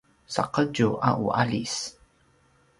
saqetju a u aljis